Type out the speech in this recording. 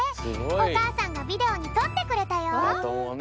おかあさんがビデオにとってくれたよ！